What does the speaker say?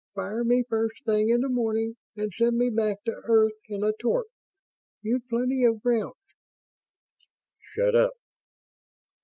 Fire me first thing in the morning and send me back to Earth in a torp. You've plenty of grounds ..." "_Shut up.